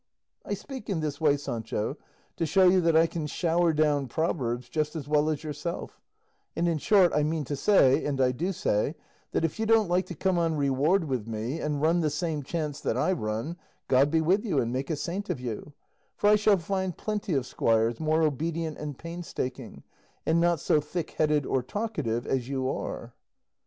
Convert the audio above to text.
I speak in this way, Sancho, to show you that I can shower down proverbs just as well as yourself; and in short, I mean to say, and I do say, that if you don't like to come on reward with me, and run the same chance that I run, God be with you and make a saint of you; for I shall find plenty of squires more obedient and painstaking, and not so thickheaded or talkative as you are."